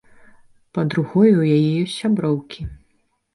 Па-другое, у яе ёсць сяброўкі.